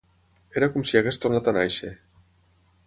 Era com si hagués tornat a néixer.